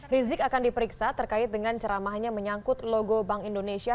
rizik akan diperiksa terkait dengan ceramahnya menyangkut logo bank indonesia